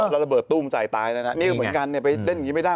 แล้วระเบิดตู้มใส่ตายแล้วนะนี่ก็เหมือนกันเนี่ยไปเล่นอย่างนี้ไม่ได้